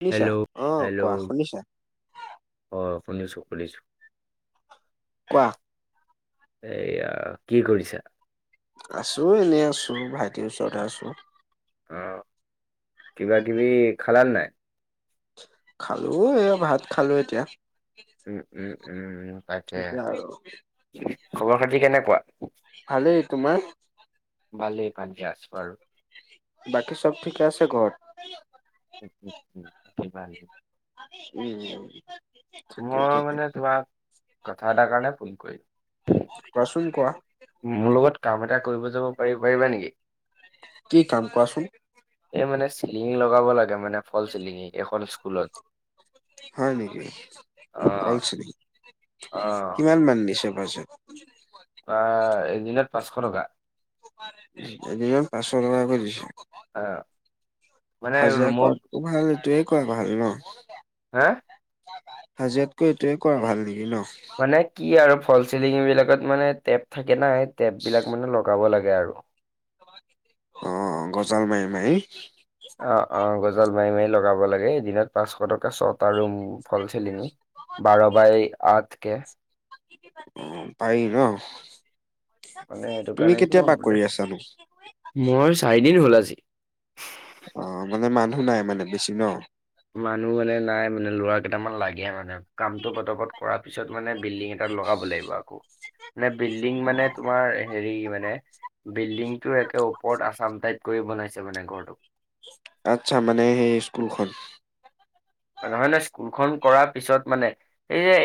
শুনিছা হেল্ল' অ হেল্ল' কোৱা শুনিছা অহ। শুনিছোঁ শুনিছোঁ। কোৱা। এয়া কি কৰিছা আছো এনে আছো ভাইটিৰ ওচৰতে আছো অ কিবা কিবি খালানাই খালো এ ভাত খালো এতিয়া উম উম উম উম তাকে এতিয়া আৰু খবৰ খাতি কেনেকুৱা ভালেই তোমাৰ ভালেই কালিকে আছা আৰু বাকী চব ঠিকে আছে ঘৰত উম, উম, উম, বাকী ভালেই। উম ঠিকেই মই ঠিকেই মানে তোমাক কথা এটাৰ কাৰণে ফোন কৰিলো কোৱাচোন কোৱা মোৰ লগত কাম এটা কৰিব যাব পাৰি পাৰিবা নেকি কি কাম কোৱাচোন এই মানে চিলিঙি লগাব লাগে মানে ফল চিলিঙি এখন স্কুলত হয় নেকি অ হল চিলিঙ অ কিমান মান দিছে বাজেত অহ এদিনত পাঁচশ টকা এদিনত পাঁচশ টকাকৈ দিছে অহ হাজিৰা কৰাটো ভাল এইটো কোৱা ভাল ন হা হাজিয়াতকৈ এইটোয়ে কৰা ভাল নেকি ন মানে কি আৰু ফল চিলিং বিলাকত মানে টেপ থাকে নাই টেপ বিলাক মানে লগাব লাগে আৰু অহ গজাল মাৰি মাৰি অ অ গজাল মাৰি মাৰি লগাব লাগে এদিনত পাঁচশ টকা ছটা ৰুম ফল চেলিন বাৰ বাই আঠ কে খেতি বাতি পাৰি ন মানে সেইটো তুমি কাৰণো কেতিয়া মই পা সকলো কৰি দে আছানো? মই চাৰিদিন হল আজি অ মানে মানুহ নাই মানে বেছি ন মানুহ মানে নাই মানে লৰা কেইটামান লাগে মানে কামটো পতা পত কৰাৰ পিছত মানে বিল্ডিং এটাত লগাব লাগিব আকৌ মানে বিল্ডিং মানে তোমাৰ হেৰি মানে বিল্ডিংটো একে ওপৰত আচাম টাইপ কৰি বনাইছে মানে ঘৰটো আচ্ছা মানে সেই স্কুলখন নহয় নহয় স্কুলখন কৰাৰ পিছত মানে এই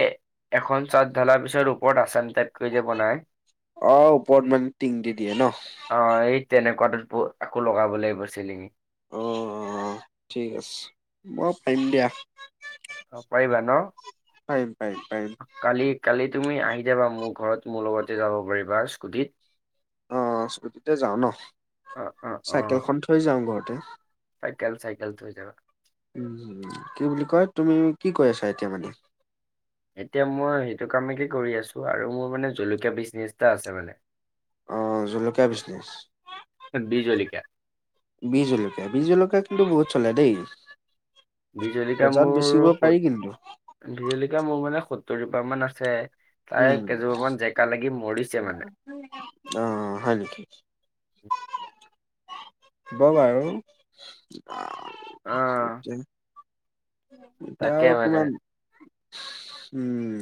এখন চাট ঢালাৰ পিছত ওপৰত আচাম টাইপ কৰি যে বনায় অ ওপৰত মানে টিং দি দিয়ে ন তেনেকুৱাত আকৌ লগাব লাগিব চিলিঙি অ অ অ ঠিক আছে মই পাৰিম দিয়া। অ পাৰিবা ন পাৰিম পাৰিম পাৰিম। কালি কালিত তুমি আহি যাবা মোৰ ঘৰত মোৰ লগতে যাব পাৰিবা স্কুটিত অ স্কুটিতে যাও ন অ অ অ চাইকেলখন থৈ যাও ঘৰতে চাইকেল চাইকেল থৈ যাবা উ কি বুলি কয় তুমি কি কৈ আছা এতিয়া মানে এতিয়া মই সেইটো কামকে কৰি আছো আৰু মোৰ মানে জলকীয়া বিজনেচ এটা আছে মানে অ জলকীয়া বিজনেছ বিহ জলকীয়া বিহ জলকীয়া বিহ জলকীয়া কিন্তু বহুত চলে দেই বিহ জলকীয়া বজাৰত মোৰ বেচিব পাৰি সত কিন্তু বিহ জলকীয়া মোৰ মানে সত্তৰ জোপা মান আছে তাই উম কেইজোপামান জেকা লাগি মৰিছে মানে অ হয় নেকি [unintelligible] অ [unintelligible] এতিয়া তাকে মানে অকমান উম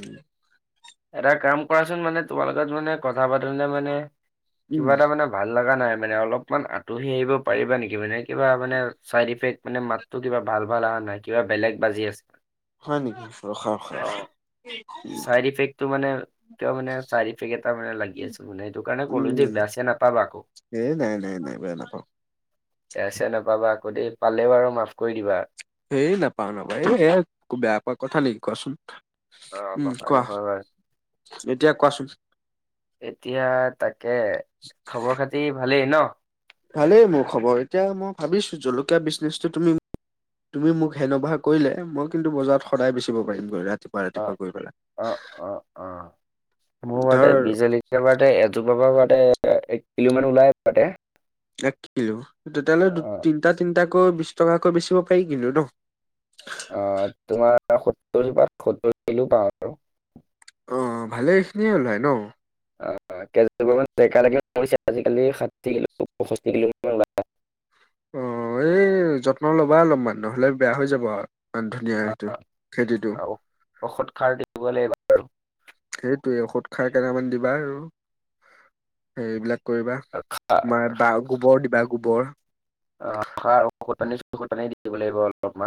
এটা কাম কৰাচোন মানে তোমাৰ লগত মানে কথা পাতোং তে মানে উম কিবা এটা মানে ভাল লগা নাই মানে অলপমান আঁতহি আহিব পাৰিবা নেকি মানে। কিবা মানে চাইড ইফেক্ট মানে মাতো কিবা ভাল ভাল অহা নাই কিবা বেলেগ বাজি আছে। হয় নেকি ৰখা ৰখা ৰখা। সেইটো মানে সেইটো মানে চাইড ইফেক্ট এটা মানে লাগি আছে মানে সেইটো কাৰণে কলো যে উম বেয়াচেয়া নাপাবা আকৌ এ নাই নাই নাই বেয়া নাপাওঁ। বেয়াচেয়া নাপাবা আকৌ দেই পালে বাৰু মাফ কৰি দিবা এইেই নাপাও নাপাওঁ এইয়া বেয়া পোৱা কথা নেকি কোৱাচোন। অ উম কথাটো কোৱা হয় বাৰু এতিয়া কোৱাচোন এতিয়া তাকে খবৰ খাতি ভালেই ন। ভালেই মোৰ খবৰ এতিয়া মই ভাবিছো জলকীয়া বিজনেচটো তুমি তুমি মোক হেনবাৰ কৰিলে মই কিন্তু বজাৰত সদায় বেচিব পাৰিম গৈ ৰা অ অ অ অ মোৰ মতে ধৰ বিজলী বাটে জোপাতে তাতে এক কিলোমান ওলাই তাতে এক কিলো তেতিয়া হ'লে দু অ', তিনিটা তিনিটা কৈ বিশ টকাকৈ বেচিব পাৰি কিন্তু ন আহ তোমাৰ সত্তৰ জোপাত সত্তৰ কিলো পাওঁ আৰু অ ভালেখিনিয়ে ওলায় ন অ কেইজোপামান বেমাৰ লাগি মৰিছে আজিকালি ষাঠি কিলো পয়ষষ্ঠি কিলো মান ওলায়। [unintelligible] অ এই যত্ন ল'বা অলপ মান নহলে বেয়া হৈ যাব আও ই ধুনীয়া সেইটো খেতিটো আৰু ঔষধ সাৰ দিব লাগিব আৰু সেইটোয়ে ঔষধ খাই কেইটামান দিবা আৰু সেইবিলাক- কৰিবা তোমাৰ বা গোবৰ দিবা গোবৰ। অ খা আৰু ঔষধ পানী ঔষধ পানী দিব লাগিব অলপমান